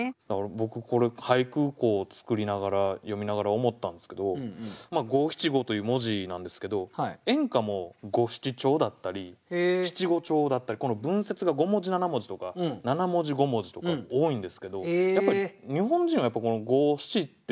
僕これ俳句作りながら詠みながら思ったんですけど五七五という文字なんですけど演歌も五七調だったり七五調だったり文節が五文字七文字とか七文字五文字とか多いんですけどやっぱり日本人は五七っていう。